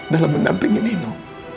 dalam mendampingi nino